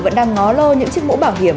vẫn đang ngó lô những chiếc mũ bảo hiểm